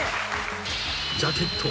［ジャケット。